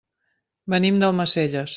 Venim d'Almacelles.